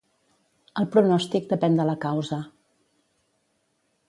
El pronòstic depén de la causa.